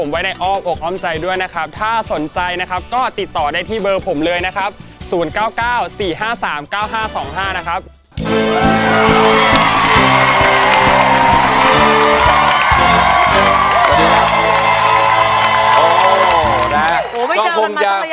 ไม่เจอกันมาจั้งไหร่้ะเนอะ